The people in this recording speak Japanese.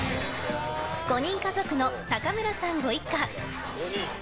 ５人家族の坂村さんご一家。